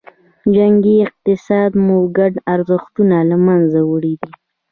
جنګي اقتصاد مو ګډ ارزښتونه له منځه وړي دي.